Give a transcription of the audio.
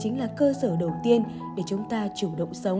chính là cơ sở đầu tiên để chúng ta chủ động sống